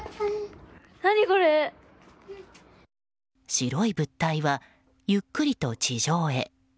白い物体は、ゆっくりと地上へ。